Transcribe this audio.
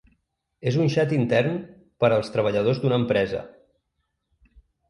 És un xat intern per als treballadors d’una empresa.